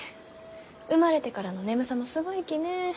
生まれてからの眠さもすごいきね。